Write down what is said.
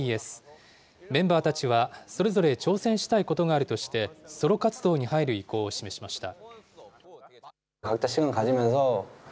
メンバーたちはそれぞれ挑戦したいことがあるとして、ソロ活動に入る意向を示しました。